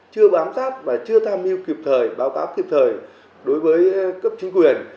chưa bám sát và chưa tham mưu kịp thời báo cáo kịp thời đối với cấp chính quyền